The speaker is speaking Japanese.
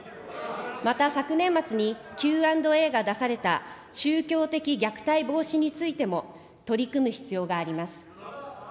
また昨年末にＱ＆Ａが出された宗教的虐待防止についても、取り組む必要があります。